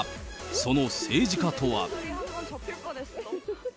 その政治家とは。